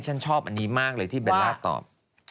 ฉันชอบอันนี้มากเลยที่เบลล่าตอบ